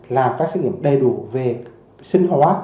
làm các xét nghiệm đầy đủ về sinh hóa